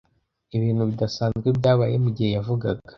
Ibintu bidasanzwe byabaye mugihe yavugaga.